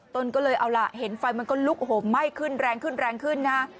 ต้นก็เลยเอาล่ะเห็นไฟมันก็ลุกไหม้ขึ้นแรงนะฮะ